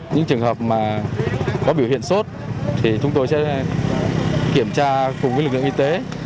những trường hợp có biểu hiện sốt thì chúng tôi sẽ kiểm tra cùng với lực lượng y tế